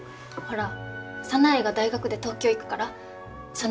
ほら早苗が大学で東京行くからその時に。